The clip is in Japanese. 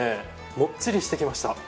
もっちりしてきました。